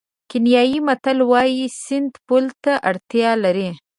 کینیايي متل وایي سیند پل ته اړتیا لري.